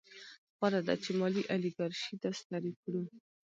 غوره ده چې مالي الیګارشي داسې تعریف کړو